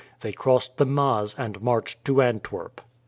They crossed the Maas and marched to Antwerp.